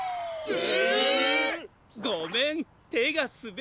え？